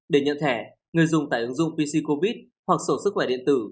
để nhận thẻ người dùng tài ứng dung pc covid hoặc sổ sức khỏe điện tử